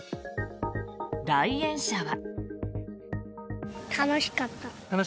来園者は。